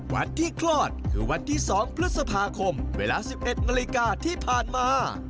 วันที่คลอดคือวันที่๒พฤษภาคมเวลา๑๑นาฬิกาที่ผ่านมา